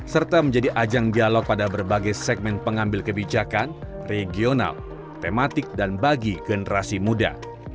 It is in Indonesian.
serta menjadi ajang dialog pada berbagai segmen pengambil kebijakan regional tematik dan bagi generasi muda